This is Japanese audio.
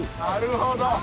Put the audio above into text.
なるほど。